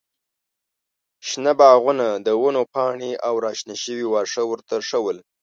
شنه باغونه، د ونو پاڼې او راشنه شوي واښه ورته ښه ول.